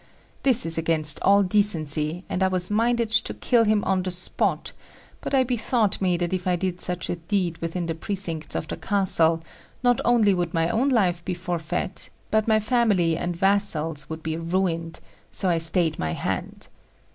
This is against all decency, and I was minded to kill him on the spot; but I bethought me that if I did such a deed within the precincts of the castle, not only would my own life be forfeit, but my family and vassals would be ruined: so I stayed my hand.